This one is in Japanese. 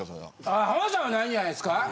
あ浜田さんはないんじゃないですか？